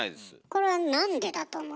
これはなんでだと思う？